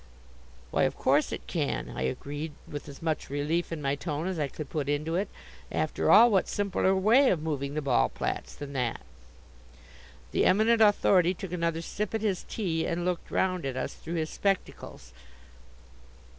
"Why of course it can," I agreed, with as much relief in my tone as I could put into it. After all, what simpler way of moving the Ballplatz than that? The Eminent Authority took another sip at his tea, and looked round at us through his spectacles.